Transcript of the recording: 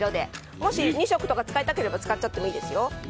もし２色とか使いたければ使っちゃてもいいですよ。